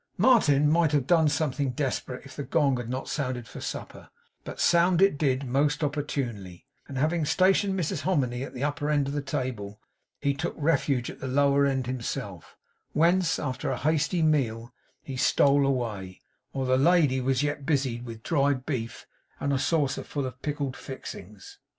Martin might have done something desperate if the gong had not sounded for supper; but sound it did most opportunely; and having stationed Mrs Hominy at the upper end of the table he took refuge at the lower end himself; whence, after a hasty meal he stole away, while the lady was yet busied with dried beef and a saucer full of pickled fixings.